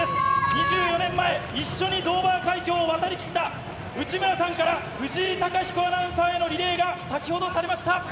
２４年前、一緒にドーバー海峡を渡りきった内村さんから藤井貴彦アナウンサーへのリレーが先ほどされました。